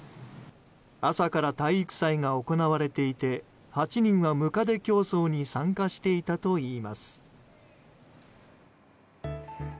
朝から体育祭が行われていて８人がムカデ競走に参加していたといいます。